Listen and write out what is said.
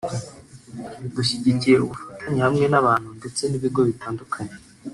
dushyigikiye ubufatanye hamwe n’abantu ndetse n’ibigo bitandukanye